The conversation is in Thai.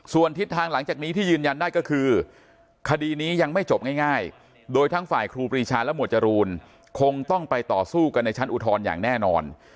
ส่วนทิศทางหลังจากนี้ที่ยืนยันได้ก็คือคดีนี้ยังไม่จบง่ายโดยทั้งฝ่ายครูปรีชาและหมวดจรูนคงต้องไปต่อสู้กันในชั้นอุทธรณ์อย่างแน่นอน